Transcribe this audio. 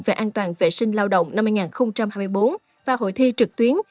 về an toàn vệ sinh lao động năm hai nghìn hai mươi bốn và hội thi trực tuyến